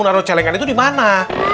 naruh jelengan itu dimana